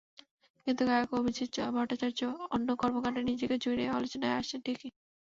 কিন্তু গায়ক অভিজিৎ ভট্টাচার্য অন্য কর্মকাণ্ডে নিজেকে জড়িয়ে আলোচনায় আসছেন ঠিকই।